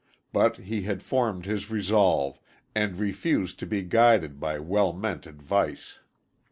But he had formed his resolve, and refused to be guided by well meant advice.